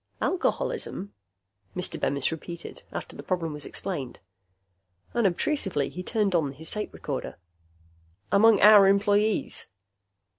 "Alcoholism?" Mr. Bemis repeated, after the problem was explained. Unobtrusively, he turned on his tape recorder. "Among our employees?"